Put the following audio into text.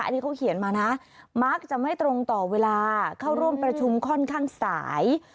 อันนี้เขาเขียนมานะมักจะไม่ตรงต่อเวลาเข้าร่วมประชุมค่อนข้างสาย